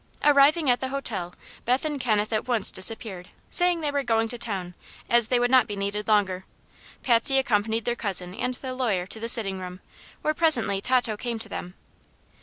Arriving at the hotel, Beth and Kenneth at once disappeared, saying they were going to town, as they would not be needed longer. Patsy accompanied their cousin and the lawyer to the sitting room, where presently Tato came to them.